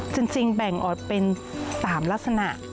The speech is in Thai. จริงแบ่งออกเป็น๓ลักษณะ